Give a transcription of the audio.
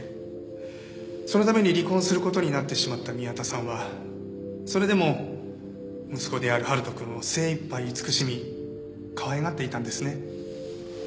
そのために離婚する事になってしまった宮田さんはそれでも息子である春人くんを精いっぱい慈しみかわいがっていたんですね。